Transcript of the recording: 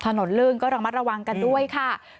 ถนนเรื่องก็ระมัดระวังกันด้วยค่ะ